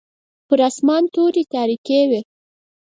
پر اسمان توري تاریکې وې.